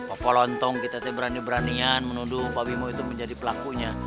opo lontong kita berani beranian menuduh pak bimo itu menjadi pelakunya